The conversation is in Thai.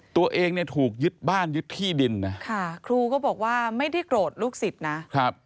ตัวเองเนี่ยถูกยึดบ้านยึดที่ดินนะค่ะครูก็บอกว่าไม่ได้โกรธลูกศิษย์นะครับ